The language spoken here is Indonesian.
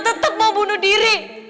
tetep mau bunuh diri